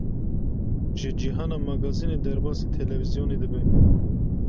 Ji cîhana magazînê derbasê televîzyonê dibe.